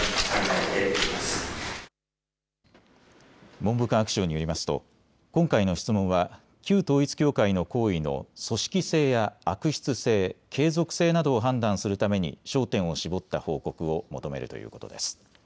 文部科学省によりますと今回の質問は旧統一教会の行為の組織性や悪質性、継続性などを判断するために焦点を絞った報告を求めるということです。